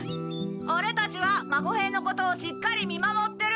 オレたちは孫兵のことをしっかり見守ってる。